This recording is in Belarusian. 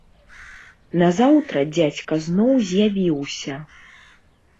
Назаўтра дзядзька зноў з'явіўся.